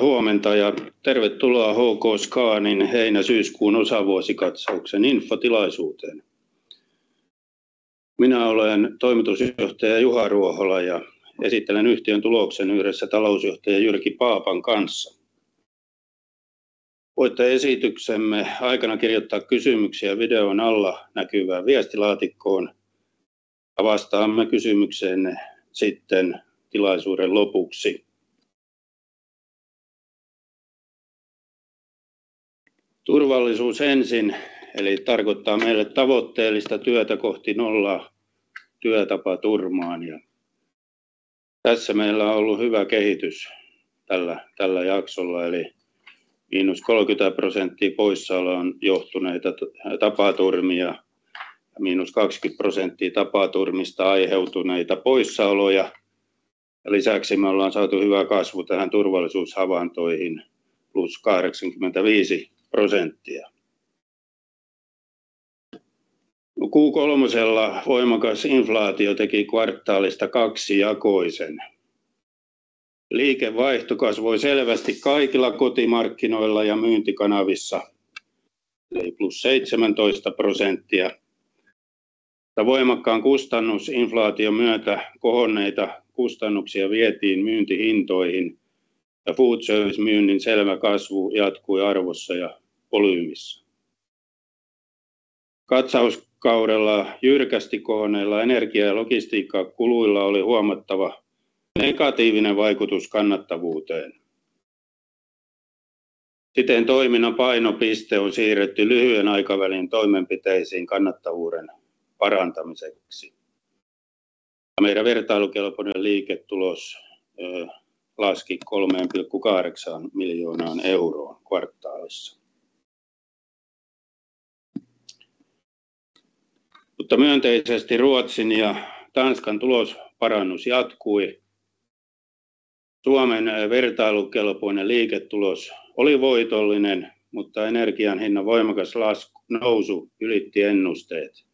Huomenta ja tervetuloa HKFoodsin heinä-syyskuun osavuosikatsauksen infotilaisuuteen. Minä olen Toimitusjohtaja Juha Ruohola ja esittelen yhtiön tuloksen yhdessä Talousjohtaja Jyrki Paapan kanssa. Voitte esityksemme aikana kirjoittaa kysymyksiä videon alla näkyvään viestilaatikkoon ja vastaamme kysymyksiinne sitten tilaisuuden lopuksi. Turvallisuus ensin eli tarkoittaa meille tavoitteellista työtä kohti nolla työtapaturmaa ja tässä meillä on ollut hyvä kehitys tällä jaksolla eli -30% poissaoloon johtuneita tapaturmia, -20% tapaturmista aiheutuneita poissaoloja ja lisäksi me ollaan saatu hyvä kasvu tähän turvallisuushavaintoihin, +85%. Q3:lla voimakas inflaatio teki kvartaalista kaksijakoisen. Liikevaihto kasvoi selvästi kaikilla kotimarkkinoilla ja myyntikanavissa eli +17%. Voimakkaan kustannusinflaation myötä kohonneita kustannuksia vietiin myyntihintoihin ja food service myynnin selvä kasvu jatkui arvossa ja volyymissa. Katsauskaudella jyrkästi kohonneilla energia- ja logistiikkakuluilla oli huomattava negatiivinen vaikutus kannattavuuteen. Siten toiminnan painopiste on siirretty lyhyen aikavälin toimenpiteisiin kannattavuuden parantamiseksi. Meidän vertailukelpoinen liiketulos laski EUR 3.8 miljoonaan kvartaalissa. Myönteisesti Ruotsin ja Tanskan tulosparannus jatkui. Suomen vertailukelpoinen liiketulos oli voitollinen, mutta energian hinnan voimakas nousu ylitti ennusteet.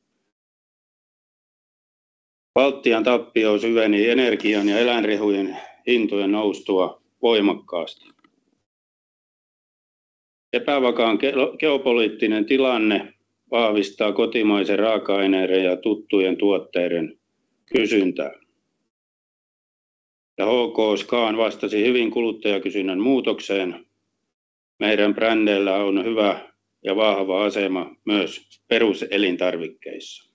Baltian tappio syveni energian ja eläinrehujen hintojen noustua voimakkaasti. Epävakaan geopoliittinen tilanne vahvistaa kotimaisten raaka-aineiden ja tuttujen tuotteiden kysyntää. HKScan vastasi hyvin kuluttajakysynnän muutokseen. Meidän brändeillä on hyvä ja vahva asema myös peruselintarvikkeissa.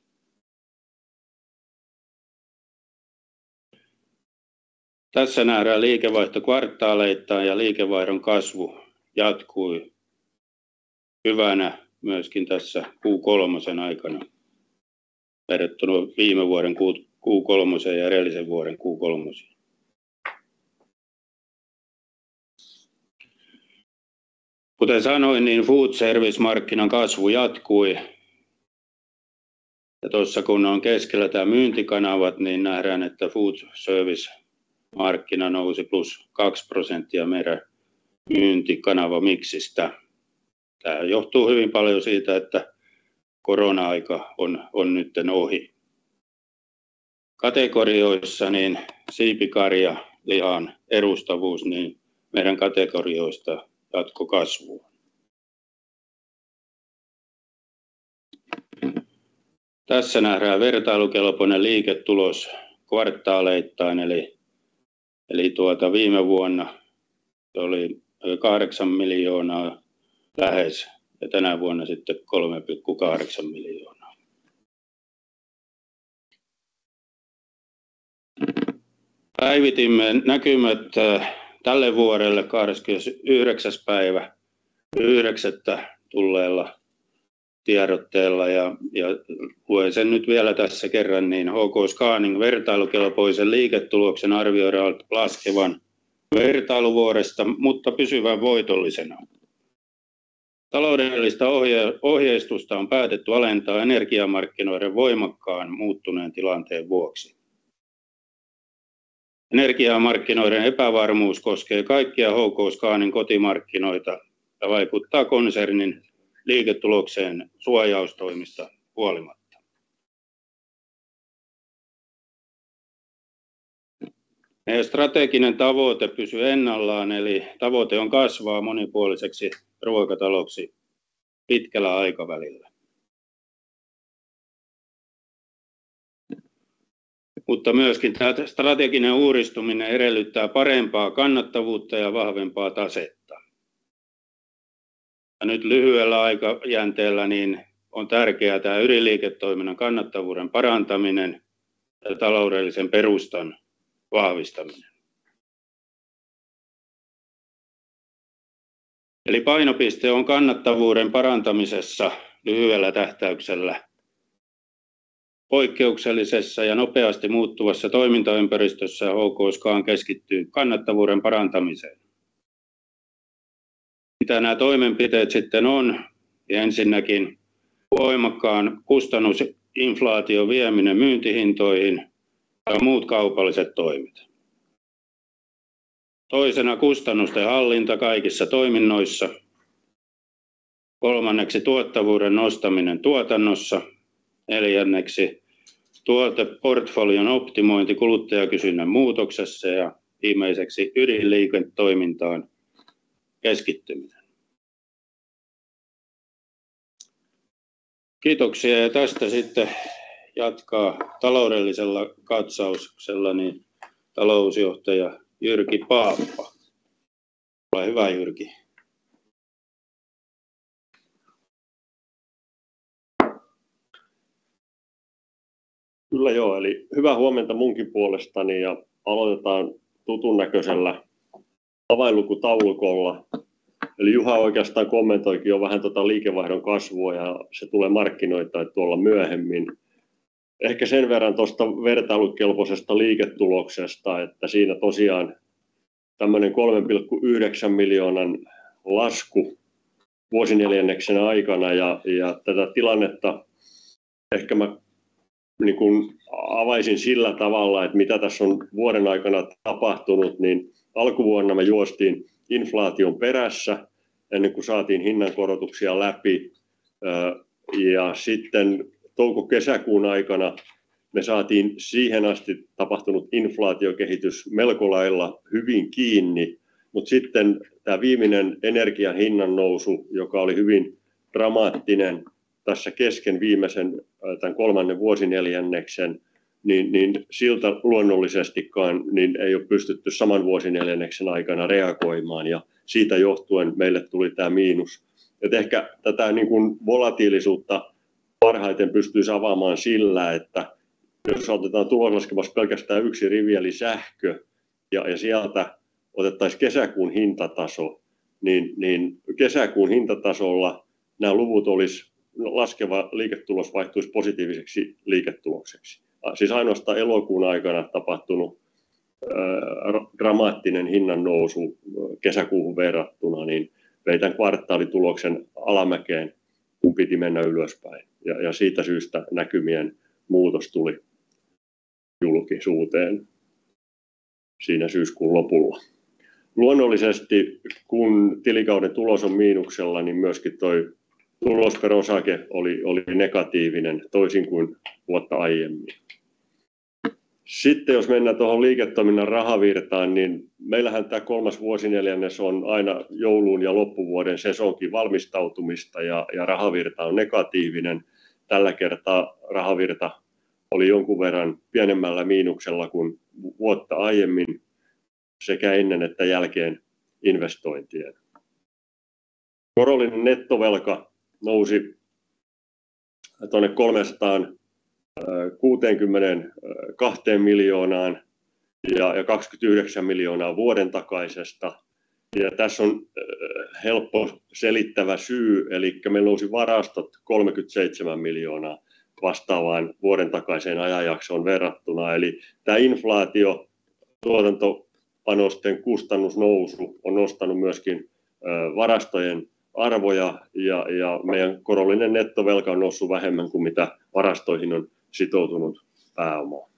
Tässä nähdään liikevaihto kvartaaleittain ja liikevaihdon kasvu jatkui hyvänä myöskin tässä Q3:een aikana verrattuna viime vuoden Q3:een ja edellisen vuoden Q3:een. Kuten sanoin, niin food service markkinan kasvu jatkui. Tuossa kun on keskellä tämä myyntikanavat, niin nähdään, että food service markkina nousi +2% meidän myyntikanavamixistä. Tämä johtuu hyvin paljon siitä, että korona-aika on nyt ohi. Kategorioissa niin siipikarjan lihan edustavuus, niin meidän kategorioista jatkoi kasvua. Tässä nähdään vertailukelpoinen liiketulos kvartaaleittain eli tuota viime vuonna se oli EUR 8 miljoonaa lähes ja tänä vuonna sitten EUR 3.8 miljoonaa. Päivitimme näkymät tälle vuodelle kahdeskymmenesyhdeksäs päivä yhdeksättä tulleella tiedotteella ja luen sen nyt vielä tässä kerran, niin HKFoodsin vertailukelpoisen liiketuloksen arvioidaan laskevan vertailuvuodesta, mutta pysyvän voitollisena. Taloudellista ohjeistusta on päätetty alentaa energiamarkkinoiden voimakkaan muuttuneen tilanteen vuoksi. Energiamarkkinoiden epävarmuus koskee kaikkia HKFoodsin kotimarkkinoita ja vaikuttaa konsernin liiketulokseen suojaustoimista huolimatta. Meidän strateginen tavoite pysyy ennallaan, eli tavoite on kasvaa monipuoliseksi ruokataloksi pitkällä aikavälillä. Myöskin tämä strateginen uudistuminen edellyttää parempaa kannattavuutta ja vahvempaa tasetta. Nyt lyhyellä aikajänteellä niin on tärkeää tää ydinliiketoiminnan kannattavuuden parantaminen ja taloudellisen perustan vahvistaminen. Eli painopiste on kannattavuuden parantamisessa lyhyellä tähtäyksellä. Poikkeuksellisessa ja nopeasti muuttuvassa toimintaympäristössä HKFoods keskittyy kannattavuuden parantamiseen. Mitä nää toimenpiteet sitten on? Ensinnäkin voimakkaan kustannusinflaation vieminen myyntihintoihin ja muut kaupalliset toimet. Toisena kustannusten hallinta kaikissa toiminnoissa. Kolmanneksi tuottavuuden nostaminen tuotannossa. Neljänneksi tuoteportfolion optimointi kuluttajakysynnän muutoksessa ja viimeiseksi ydinliiketoimintaan keskittyminen. Kiitoksia. Tästä sitten jatkaa taloudellisella katsauksella niin talousjohtaja Jyrki Paappa. Ole hyvä Jyrki. Kyllä joo, eli hyvää huomenta munkin puolestani ja aloitetaan tutun näköisellä tavallisella lukutaulukolla. Eli Juha oikeastaan kommentoikin jo vähän tuota liikevaihdon kasvua ja se tulee markkinoilta tuolla myöhemmin. Ehkä sen verran tuosta vertailukelpoisesta liiketuloksesta, että siinä tosiaan EUR 3.9 million lasku vuosineljänneksen aikana. Ja tätä tilannetta ehkä mä niin kun avaisin sillä tavalla, että mitä tässä on vuoden aikana tapahtunut, niin alkuvuonna me juostiin inflaation perässä ennen kuin saatiin hinnankorotuksia läpi. Ja sitten touko-kesäkuun aikana me saatiin siihen asti tapahtunut inflaatiokehitys melko lailla hyvin kiinni. Mutta sitten tää viimeinen energian hinnannousu, joka oli hyvin dramaattinen tässä kesken viimeisen tän kolmannen vuosineljänneksen, niin siltä luonnollisesti kaan niin ei ole pystytty saman vuosineljänneksen aikana reagoimaan ja siitä johtuen meille tuli tää miinus. Ehkä tätä volatiilisuutta parhaiten pystyisi avaamaan sillä, että jos otetaan tuloslaskelmassa pelkästään yksi rivi eli sähkö, ja sieltä otettaisiin kesäkuun hintataso, niin kesäkuun hintatasolla nää luvut olisi laskeva liiketulos vaihtuis positiiviseksi liiketulokseksi. Ainoastaan elokuun aikana tapahtunut dramaattinen hinnannousu kesäkuuhun verrattuna niin vei tän kvartaalituloksen alamäkeen kun piti mennä ylöspäin, ja siitä syystä näkymien muutos tuli julkisuuteen syyskuun lopulla. Luonnollisesti, kun tilikauden tulos on miinuksella, niin myöskin tuo tulos per osake oli negatiivinen toisin kuin vuotta aiemmin. Sitten jos mennään tuohon liiketoiminnan rahavirtaan, niin meillähän tää kolmas vuosineljännes on aina jouluun ja loppuvuoden sesonkiin valmistautumista, ja rahavirta on negatiivinen. Tällä kertaa rahavirta oli jonkun verran pienemmällä miinuksella kuin vuotta aiemmin sekä ennen että jälkeen investointien. Korollinen nettovelka nousi tuonne EUR 362 million ja 29 million vuoden takaisesta. Tässä on helppo selittää syy. Meillä nousi varastot EUR 37 million vastaavaan vuoden takaiseen ajanjaksoon verrattuna. Tää inflaatio tuotantopanosten kustannusnousu on nostanut myöskin varastojen arvoja ja meidän korollinen nettovelka on noussut vähemmän kuin mitä varastoihin on sitoutunut pääomaa.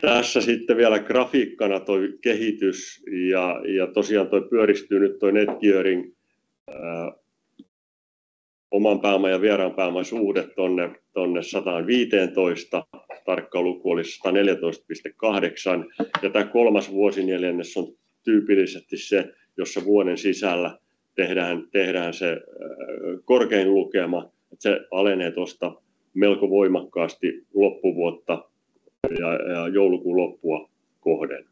Tässä sitten vielä grafiikkana toi kehitys. Tosiaan toi pyöristyy nyt net gearing. Oman pääoman ja vieraan pääoman suhde tuonne 112%. Tarkka luku oli 114.8% ja tää kolmas vuosineljännes on tyypillisesti se, jossa vuoden sisällä tehdään se korkein lukema. Se alenee tosta melko voimakkaasti loppuvuotta ja joulukuun loppua kohden.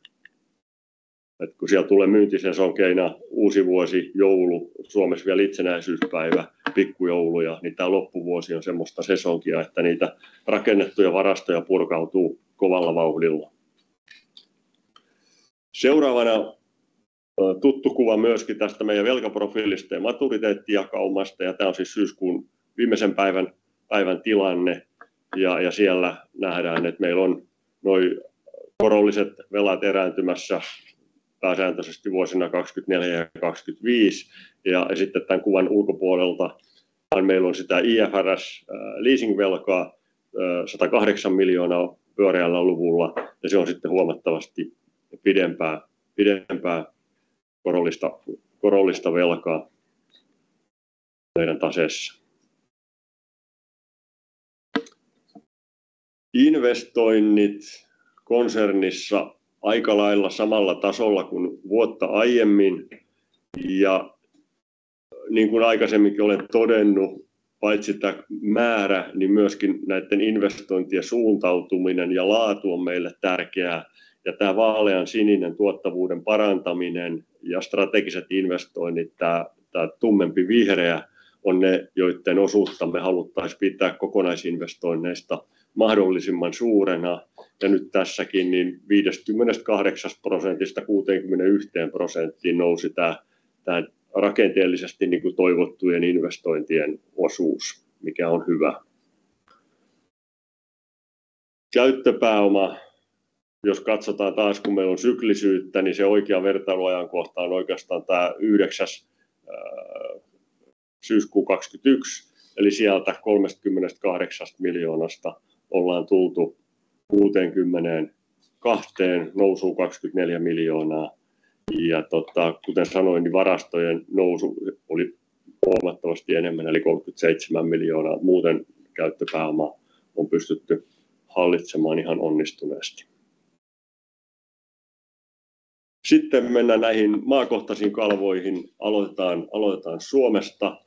Kun siellä tulee myyntisesonkeina uusivuosi, joulu, Suomessa vielä itsenäisyyspäivä, pikkujouluja, niin tää loppuvuosi on sellaista sesonkia, että niitä rakennettuja varastoja purkautuu kovalla vauhdilla. Seuraavana tuttu kuva myöskin tästä meidän velkaprofiilista ja maturiteettijakaumasta. Tämä on siis syyskuun viimeisen päivän tilanne ja siellä nähdään, että meillä on noi korolliset velat erääntymässä pääsääntöisesti vuosina 2024 ja 2025. Tän kuvan ulkopuolelta vaan meillä on sitä IFRS leasingvelkaa EUR 108 million pyöreällä luvulla ja se on sitten huomattavasti pidempää korollista velkaa meidän taseessa. Investoinnit konsernissa aika lailla samalla tasolla kuin vuotta aiemmin. Niin kuin aikaisemminkin olen todennut, paitsi tää määrä, niin myöskin näitten investointien suuntautuminen ja laatu on meille tärkeää. Tää vaaleansininen tuottavuuden parantaminen ja strategiset investoinnit tää tummempi vihreä on ne, joitten osuutta me haluttais pitää kokonaisinvestoinneista mahdollisimman suurena. Nyt tässäkin niin 58 %:sta 61 %:een nousi tää, tän rakenteellisesti niinku toivottujen investointien osuus, mikä on hyvä. Käyttöpääoma. Jos katsotaan taas kun meillä on syklisyyttä, niin se oikea vertailuajankohta on oikeastaan tää yhdeksäs Syyskuu 2022, eli sieltä EUR 38 million ollaan tultu EUR 62:een, nousua EUR 24 million. Tota, kuten sanoin niin varastojen nousu oli huomattavasti enemmän eli EUR 37 million. Muuten käyttöpääoma on pystytty hallitsemaan ihan onnistuneesti. Mennään näihin maakohtaisiin kalvoihin. Aloitetaan Suomesta.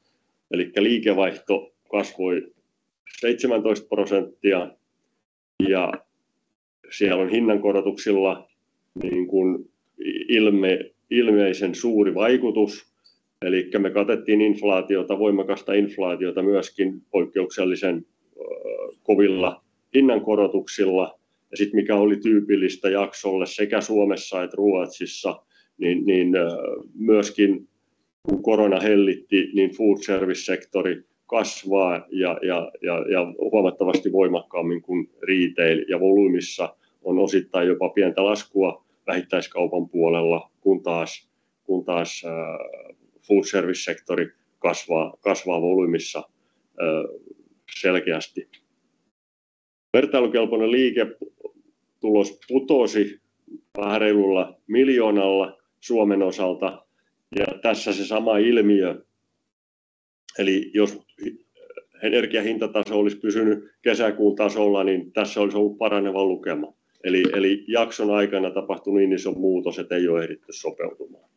Liikevaihto kasvoi 17% ja siellä on hinnankorotuksilla niin kuin ilmeisen suuri vaikutus. Liikevaihto kasvoi 17% ja siellä on hinnankorotuksilla niin kuin ilmeisen suuri vaikutus. Me katettiin inflaatiota, voimakasta inflaatiota myöskin poikkeuksellisen kovilla hinnankorotuksilla. Mikä oli tyypillistä jaksolle sekä Suomessa että Ruotsissa, niin myöskin kun korona hellitti, niin food service -sektori kasvaa ja huomattavasti voimakkaammin kuin retail ja volyymissa on osittain jopa pientä laskua vähittäiskaupan puolella, kun taas food service -sektori kasvaa volyymissa selkeästi. Vertailukelpoinen liiketulos putosi vähän reilulla EUR 1 miljoonalla Suomen osalta. Tässä se sama ilmiö. Jos energian hintataso olisi pysynyt kesäkuun tasolla, niin tässä olisi ollut paraneva lukema. Jakson aikana tapahtui niin iso muutos, että ei ole ehditty sopeutumaan.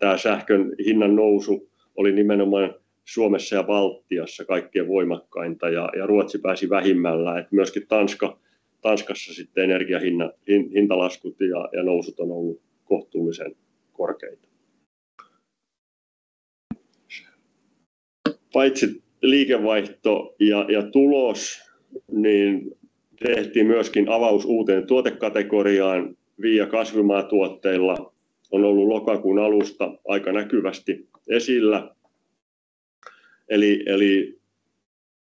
Tää sähkön hinnannousu oli nimenomaan Suomessa ja Baltiassa kaikkein voimakkainta ja Ruotsi pääsi vähimmällä. Myös Tanska, Tanskassa energian hinnan hintalaskut ja nousut on ollut kohtuullisen korkeita. Paitsi liikevaihto ja tulos, niin tehtiin myös avaus uuteen tuotekategoriaan. Via kasvimaatuotteilla on ollut lokakuun alusta aika näkyvästi esillä. Eli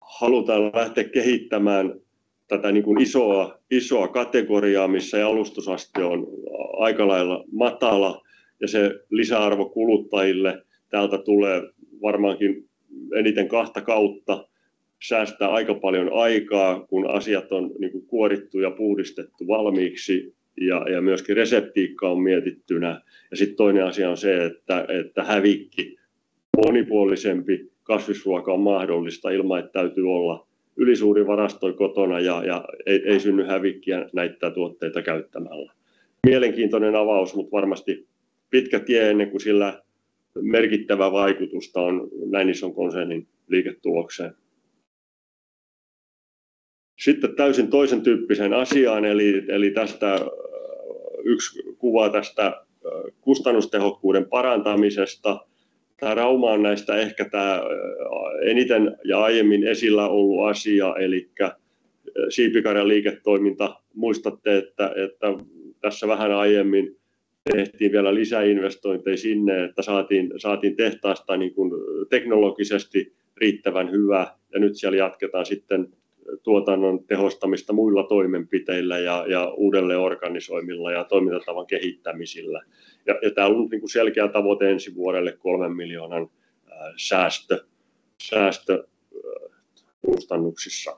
halutaan lähteä kehittämään tätä niin kuin isoa kategoriaa, missä jalostusaste on aikalailla matala ja se lisäarvo kuluttajille täältä tulee varmaankin eniten kahta kautta. Säästää aika paljon aikaa, kun asiat on niin kuin kuorittu ja puhdistettu valmiiksi ja myös reseptiikka on mietittynä. Toinen asia on se, että hävikki. Monipuolisempi kasvisruoka on mahdollista ilman, että täytyy olla ylisuuri varasto kotona ja ei synny hävikkiä näitä tuotteita käyttämällä. Mielenkiintoinen avaus, mutta varmasti pitkä tie ennen kuin sillä merkittävää vaikutusta on näin ison konsernin liiketulokseen. Täysin toisen tyyppiseen asiaan eli tästä yksi kuva tästä kustannustehokkuuden parantamisesta. Tämä Rauma on näistä ehkä tämä eniten ja aiemmin esillä ollut asia. Elikkä siipikarjaliiketoiminta, muistatte, että tässä vähän aiemmin tehtiin vielä lisäinvestointeja sinne, että saatiin tehtaasta niin kun teknologisesti riittävän hyvä ja nyt siellä jatketaan sitten tuotannon tehostamista muilla toimenpiteillä ja uudelleenorganisoimilla ja toimintatavan kehittämisillä. Tää on niinku selkeä tavoite ensi vuodelle, EUR 3 million säästö kustannuksissa.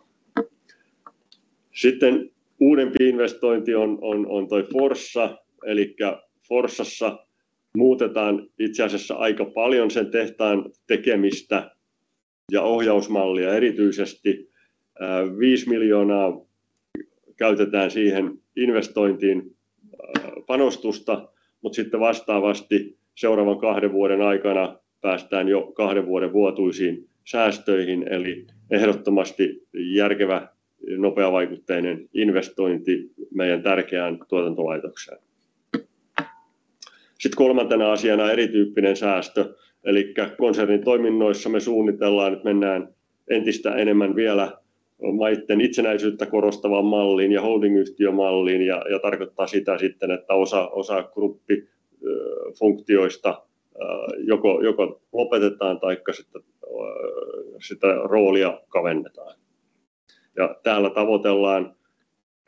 Uudempi investointi on toi Forssa. Elikkä Forssassa muutetaan itse asiassa aika paljon sen tehtaan tekemistä ja ohjausmallia erityisesti. EUR 5 million käytetään siihen investointiin panostusta, mutta sitten vastaavasti seuraavan kahden vuoden aikana päästään jo kahden vuoden vuotuisiin säästöihin. Ehdottomasti järkevä, nopeavaikutteinen investointi meidän tärkeään tuotantolaitokseen. Kolmantena asiana erityyppinen säästö. Elikkä konsernin toiminnoissa me suunnitellaan, että mennään entistä enemmän vielä maiden itsenäisyyttä korostavaan malliin ja holdingyhtiömalliin ja tarkoittaa sitä sitten, että osa group funktioista joko lopetetaan taikka sitten sitä roolia kavennetaan. Täällä tavoitellaan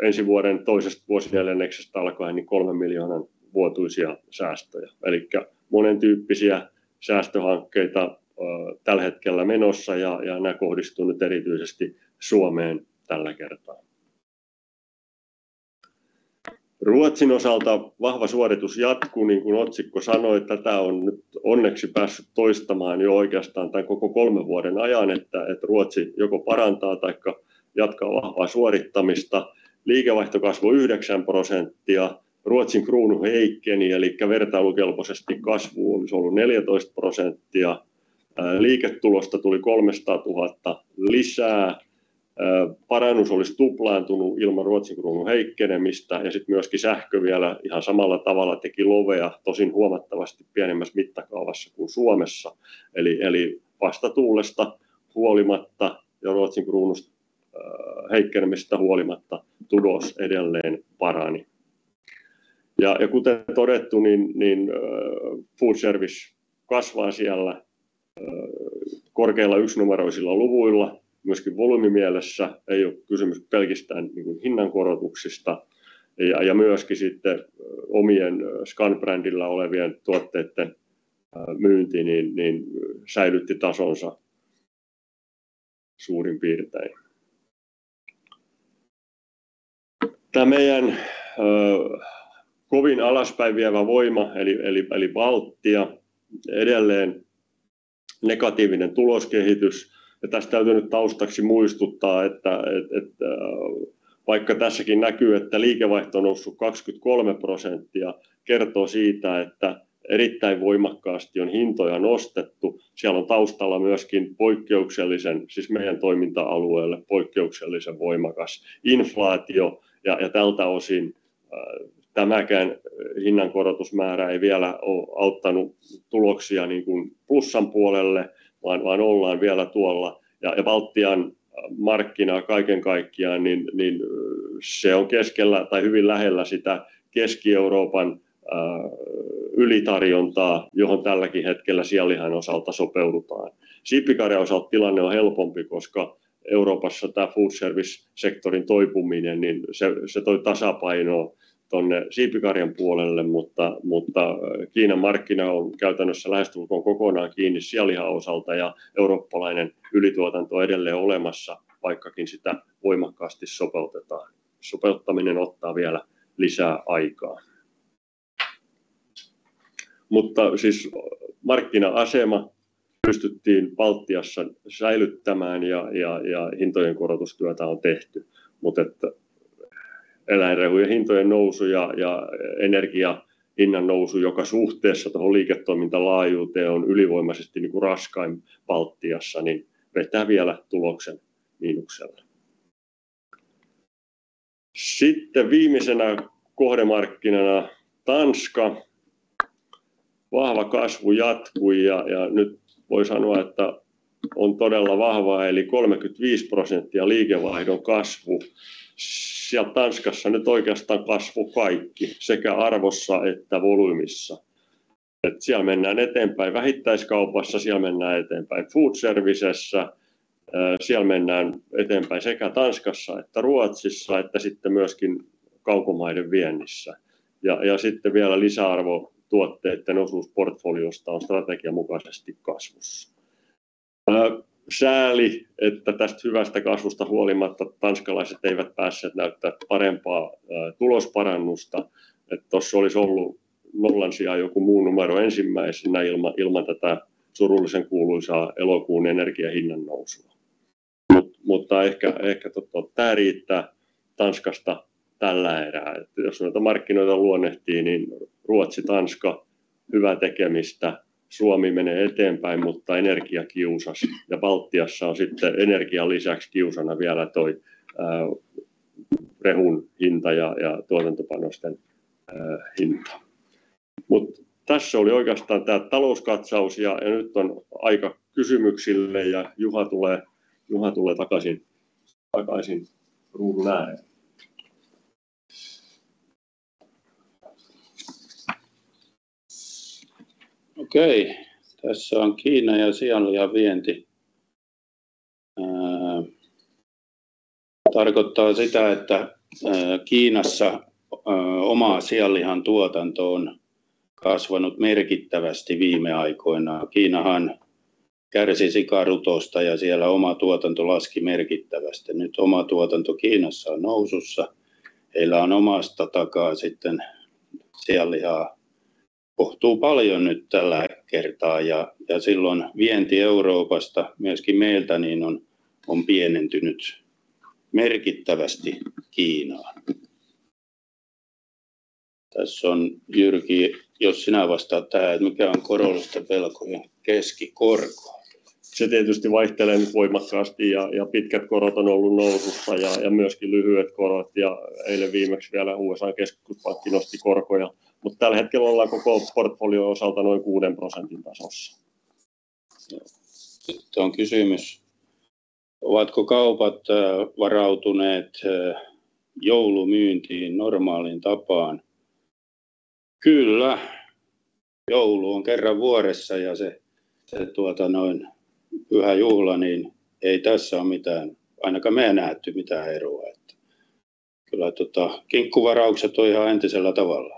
ensi vuoden toisesta vuosijaksosta alkaen EUR 3 million vuotuisia säästöjä. Elikkä monentyyppisiä säästöhankkeita tällä hetkellä menossa ja nää kohdistuu nyt erityisesti Suomeen tällä kertaa. Ruotsin osalta vahva suoritus jatkuu niin kuin otsikko sanoi. Tätä on nyt onneksi päässyt toistamaan jo oikeastaan tän koko kolmen vuoden ajan, että Ruotsi joko parantaa taikka jatkaa vahvaa suorittamista. Liikevaihto kasvoi 9%. Ruotsin kruunu heikkeni, elikkä vertailukelpoisesti kasvu olisi ollut 14%. Liiketulosta tuli EUR 300,000 lisää. Parannus olisi tuplaantunut ilman Ruotsin kruunun heikkenemistä. Sitten myöskin sähkö vielä ihan samalla tavalla teki lovea, tosin huomattavasti pienemmässä mittakaavassa kuin Suomessa. Eli vastatuulesta huolimatta ja Ruotsin kruunun heikkenemisestä huolimatta tulos edelleen parani. Ja kuten todettu, food service kasvaa siellä korkeilla yksinumeroisilla luvuilla myös volyymimielessä. Ei ole kysymys pelkästään niin kuin hinnankorotuksista ja myöskin sitten omien Scan-brändin tuotteiden myynti säilytti tasonsa suurin piirtein. Tämä meidän kovin alaspäin vievä voima eli Baltia. Edelleen negatiivinen tuloskehitys. Tässä täytyy nyt taustaksi muistuttaa, että että vaikka tässäkin näkyy, että liikevaihto on noussut 23%, kertoo siitä, että erittäin voimakkaasti on hintoja nostettu. Siellä on taustalla myöskin poikkeuksellisen, siis meidän toiminta-alueelle poikkeuksellisen voimakas inflaatio ja tältä osin tämäkään hinnankorotusmäärä ei vielä ole auttanut tuloksia niinkään plussan puolelle, vaan ollaan vielä tuolla. Baltian markkina kaiken kaikkiaan se on keskellä tai hyvin lähellä sitä Keski-Euroopan ylitarjontaa, johon tälläkin hetkellä sianlihan osalta sopeudutaan. Siipikarjan osalta tilanne on helpompi, koska Euroopassa tämän food service-sektorin toipuminen se toi tasapainoa tuonne siipikarjan puolelle. Kiinan markkina on käytännössä lähestulkoon kokonaan kiinni sianlihan osalta ja eurooppalainen ylituotanto on edelleen olemassa, vaikkakin sitä voimakkaasti sopeutetaan. Sopeuttaminen ottaa vielä lisää aikaa. Markkina-asema pystyttiin Baltiassa säilyttämään ja hintojen korotustyötä on tehty. että eläinrehujen hintojen nousu ja energiahinnan nousu, joka suhteessa tuohon liiketoimintalaajuuteen on ylivoimaisesti niinku raskain Baltiassa, niin vetää vielä tuloksen miinukselle. Viimeisenä kohdemarkkinana Tanska. Vahva kasvu jatkui ja nyt voi sanoa, että on todella vahvaa eli 35% liikevaihdon kasvu. Siellä Tanskassa nyt oikeastaan kasvoi kaikki sekä arvossa että volyymissa. Ja siellä mennään eteenpäin vähittäiskaupassa. Siellä mennään eteenpäin food servicessa. Siellä mennään eteenpäin sekä Tanskassa että Ruotsissa että sitten myöskin kaukomaiden viennissä. Ja sitten vielä lisäarvotuotteiden osuus portfoliosta on strategian mukaisesti kasvussa. Sääli, että tästä hyvästä kasvusta huolimatta tanskalaiset eivät päässeet näyttää parempaa tulosparannusta. Se tossa olisi ollut nollan sijaan joku muu numero ensimmäisenä ilman tätä surullisenkuuluisaa elokuun energian hinnannousua. Mutta. Ehkä tota tää riittää Tanskasta tällä erää. Jos noita markkinoita luonnehtii, niin Ruotsi, Tanska, hyvää tekemistä. Suomi menee eteenpäin, mutta energia kiusasi ja Baltiassa on sitten energian lisäksi kiusana vielä toinen rehun hinta ja tuotantopanosten hinta. Tässä oli oikeastaan tää talouskatsaus ja nyt on aika kysymyksille. Juha tulee takaisin ruudun ääreen. Okei, tässä on Kiina ja sianlihan vienti. Tarkoittaa sitä, että Kiinassa oma sianlihan tuotanto on kasvanut merkittävästi viime aikoina. Kiinahan kärsi sikarutosta ja siellä oma tuotanto laski merkittävästi. Nyt oma tuotanto Kiinassa on nousussa. Heillä on omasta takaa sitten sianlihaa kohtuu paljon nyt tällä kertaa ja silloin vienti Euroopasta myöskin meiltä, niin on pienentynyt merkittävästi Kiinaan. Tässä on Jyrki, jos sinä vastaat tähän, että mikä on korollisista velkojen keskikorko. Se tietysti vaihtelee nyt voimakkaasti ja pitkät korot on ollut nousussa ja myöskin lyhyet korot. Eilen viimeksi vielä USA:n keskuspankki nosti korkoja, mutta tällä hetkellä ollaan koko portfolion osalta noin 6 %:n tasossa. On kysymys. Ovatko kaupat varautuneet joulumyyntiin normaaliin tapaan? Kyllä joulu on kerran vuodessa ja se tuota noin pyhä juhla, niin ei tässä oo mitään, ainakaan me ei nähty mitään eroa. Että kyllä tota kinkkuvaraukset on ihan entisellä tavalla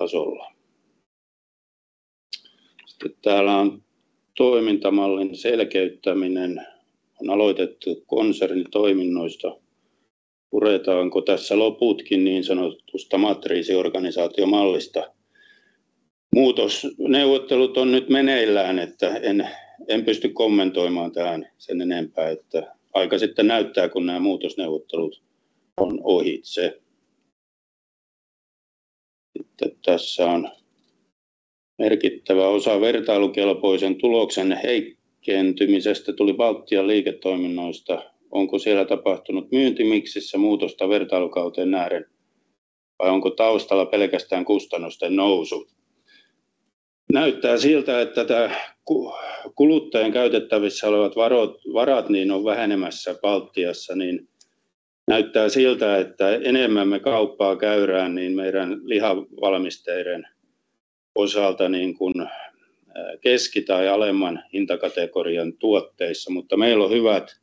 tasolla. Täällä on toimintamallin selkeyttäminen. On aloitettu konsernitoiminnoista. Puretaanko tässä loputkin niin sanotusta matriisiorganisaatiomallista? Muutosneuvottelut on nyt meneillään, että en pysty kommentoimaan tähän sen enempää. Että aika sitten näyttää, kun nää muutosneuvottelut on ohitse. Tässä on merkittävä osa vertailukelpoisen tuloksen heikentymisestä tuli Baltian liiketoiminnoista. Onko siellä tapahtunut myyntimixissä muutosta vertailukauteen nähden vai onko taustalla pelkästään kustannusten nousu? Näyttää siltä, että kuluttajien käytettävissä olevat varat on vähenemässä Baltiassa. Näyttää siltä, että enemmän me kauppaa käydään niin meidän lihavalmisteiden osalta niin kuin keski tai alemman hintakategorian tuotteissa, mutta meillä on hyvät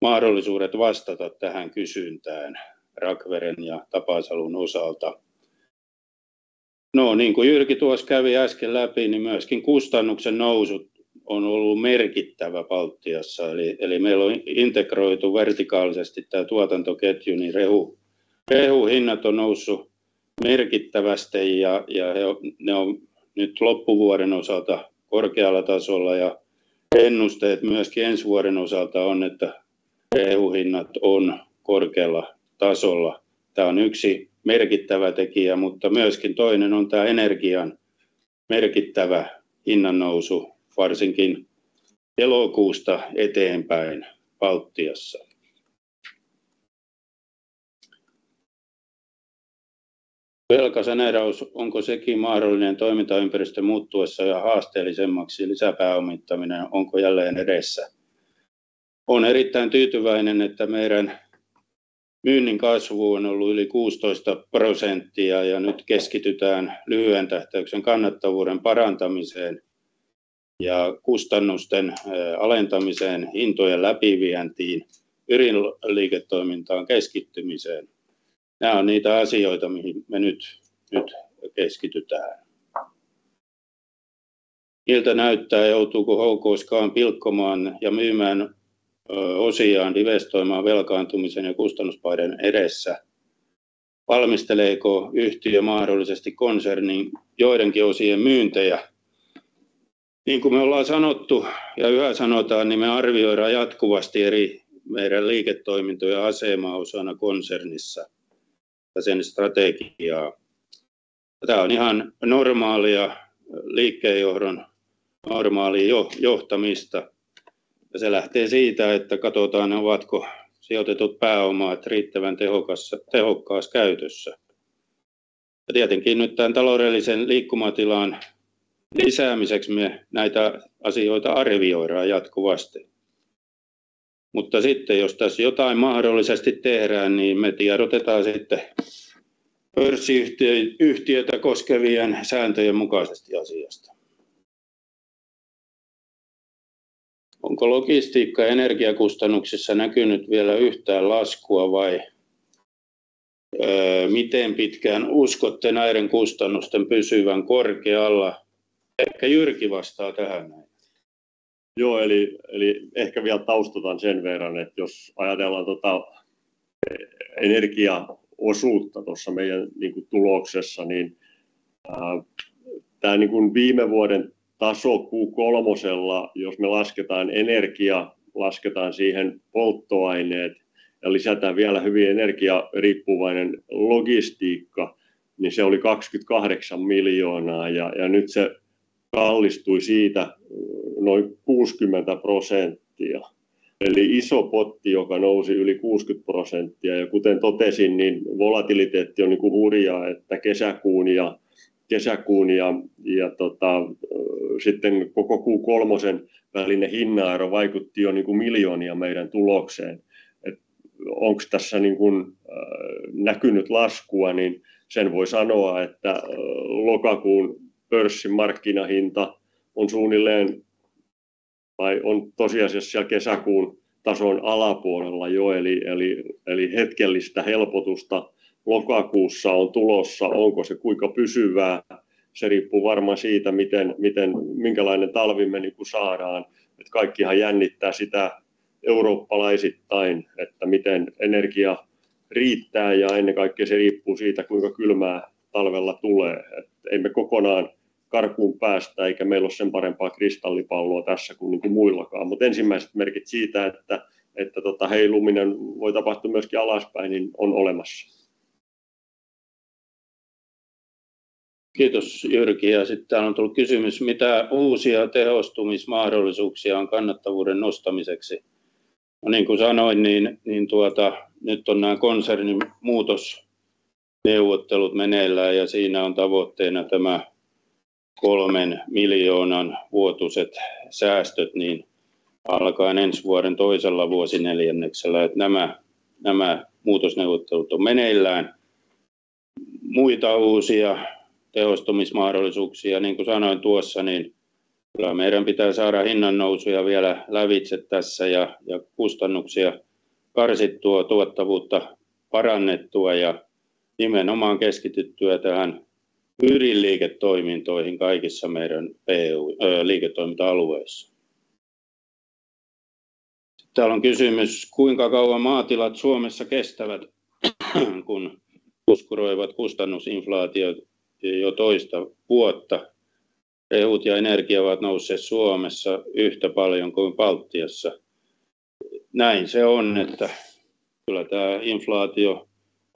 mahdollisuudet vastata tähän kysyntään Rakvere ja Tallegg osalta. No niin kuin Jyrki tuossa kävi äsken läpi, niin myöskin kustannuksen nousut on ollut merkittävä Baltiassa. Eli meillä on integroitu vertikaalisesti tää tuotantoketju, niin rehun hinnat on noussut merkittävästi ja ne on nyt loppuvuoden osalta korkealla tasolla ja ennusteet myöskin ensi vuoden osalta on, että rehun hinnat on korkealla tasolla. Tää on yksi merkittävä tekijä, mutta myöskin toinen on tää energian merkittävä hinnannousu varsinkin elokuusta eteenpäin Baltiassa. Velkasaneeraus. Onko sekin mahdollinen toimintaympäristön muuttuessa yhä haasteellisemmaksi? Lisäpääomittaminen, onko jälleen edessä? Oon erittäin tyytyväinen, että meidän myynnin kasvu on ollut yli 16% ja nyt keskitytään lyhyen tähtäyksen kannattavuuden parantamiseen ja kustannusten alentamiseen, hintojen läpivientiin, ydinliiketoimintaan keskittymiseen. Nää on niitä asioita, mihin me nyt keskitytään. Miltä näyttää, joutuuko HKScan pilkkomaan ja myymään osiaan, investoimaan velkaantumisen ja kustannuspaineen edessä? Valmisteleeko yhtiö mahdollisesti konsernin joidenkin osien myyntejä? Niin kuin me ollaan sanottu ja yhä sanotaan, niin me arvioidaan jatkuvasti eri meidän liiketoimintojen asemaa osana konsernissa ja sen strategiaa. Tää on ihan normaalia liikkeenjohdon normaalia johtamista ja se lähtee siitä, että katotaan ovatko sijoitetut pääomat riittävän tehokkaassa käytössä. Tietenkin nyt tän taloudellisen liikkumatilan lisäämiseksi me näitä asioita arvioidaan jatkuvasti. Sitten jos tässä jotain mahdollisesti tehdään, niin me tiedotetaan pörssiyhtiön yhtiötä koskevien sääntöjen mukaisesti asiasta. Onko logistiikka energiakustannuksissa näkynyt vielä yhtään laskua vai miten pitkään uskotte näiden kustannusten pysyvän korkealla? Ehkä Jyrki vastaa tähän näin. Joo eli ehkä vielä taustoitan sen verran, että jos ajatellaan tota energiaosuutta tuossa meidän niinku tuloksessa, niin tää niin kuin viime vuoden taso Q3:lla, jos me lasketaan energia, lasketaan siihen polttoaineet ja lisätään vielä hyvin energiariippuvainen logistiikka, niin se oli EUR 28 miljoonaa, ja nyt se kallistui siitä noin 60 %. Eli iso potti, joka nousi yli 60 %. Kuten totesin, niin volatiliteetti on niinku hurja, että kesäkuun ja tota sitten koko Q3:n välinen hintaero vaikutti jo niinku EUR miljoonia meidän tulokseen. Onko tässä niin kun näkynyt laskua, niin sen voi sanoa, että lokakuun pörssin markkinahinta on suunnilleen tai on tosiasiassa siellä kesäkuun tason alapuolella jo. Eli hetkellistä helpotusta lokakuussa on tulossa. Onko se kuinka pysyvää? Se riippuu varmaan siitä, miten minkälainen talvi me niinku saadaan. Että kaikkihan jännittää sitä eurooppalaisittain, että miten energia riittää ja ennen kaikkea se riippuu siitä, kuinka kylmää talvella tulee. Että ei me kokonaan karkuun päästä, eikä meillä ole sen parempaa kristallipalloa tässä kuin niinku muillakaan. Ensimmäiset merkit siitä, että heiluminen voi tapahtua myöskin alaspäin, niin on olemassa. Kiitos Jyrki. Täällä on tullut kysymys mitä uusia tehostumismahdollisuuksia on kannattavuuden nostamiseksi? No niin kuin sanoin, nyt on nämä konsernin muutosneuvottelut meneillään ja siinä on tavoitteena tämä EUR 3 million vuotuiset säästöt, alkaen ensi vuoden toisella vuosineljänneksellä. Nämä muutosneuvottelut on meneillään. Muita uusia tehostumismahdollisuuksia niin kuin sanoin tuossa, kyllä meidän pitää saada hinnannousuja vielä lävitse tässä ja kustannuksia karsittua, tuottavuutta parannettua ja nimenomaan keskityttyä tähän ydinliiketoimintoihin kaikissa meidän EU liiketoiminta-alueissa. Täällä on kysymys kuinka kauan maatilat Suomessa kestävät, kun kuskuroivat kustannusinflaatio jo toista vuotta? Rehut ja energia ovat nousseet Suomessa yhtä paljon kuin Baltiassa. Näin se on, että kyllä tää inflaatio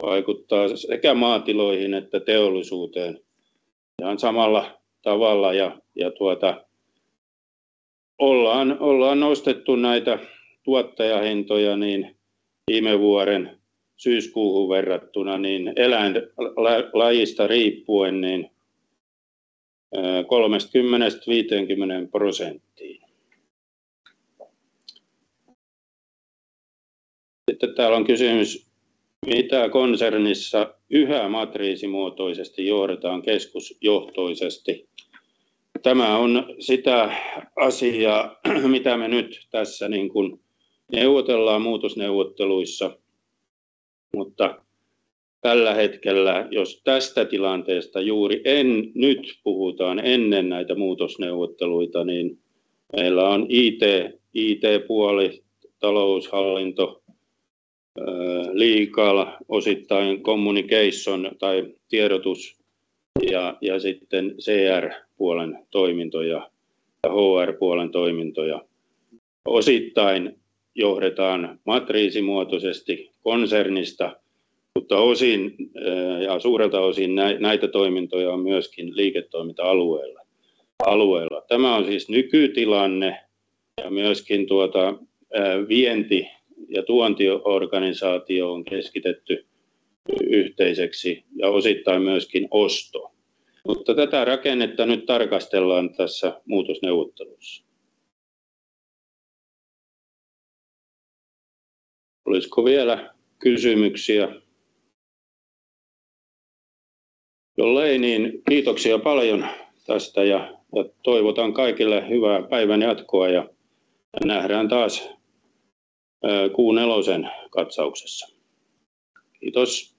vaikuttaa sekä maatiloihin että teollisuuteen ihan samalla tavalla ja ollaan nostettu näitä tuottajahintoja niin viime vuoden syyskuuhun verrattuna niin eläinlajista riippuen niin 30%-50 %. Täällä on kysymys mitä konsernissa yhä matriisimuotoisesti johdetaan keskusjohtoisesti. Tämä on sitä asiaa, mitä me nyt tässä niin kun neuvotellaan muutosneuvotteluissa, mutta tällä hetkellä, jos tästä tilanteesta juuri en nyt puhutaan ennen näitä muutosneuvotteluita, niin meillä on IT puoli, taloushallinto, legal, osittain communication tai tiedotus ja sitten CR puolen toimintoja ja HR puolen toimintoja osittain johdetaan matriisimuotoisesti konsernista, mutta osin ja suurelta osin näitä toimintoja on myöskin liiketoiminta alueilla. Tämä on siis nykytilanne ja myöskin tuota vienti ja tuontiorganisaatio on keskitetty yhteiseksi ja osittain myöskin osto. Mutta tätä rakennetta nyt tarkastellaan tässä muutosneuvotteluissa. Olisko vielä kysymyksiä? Jollei, niin kiitoksia paljon tästä ja toivotan kaikille hyvää päivänjatkoa ja nähdään taas Q4:n katsauksessa. Kiitos hei hei.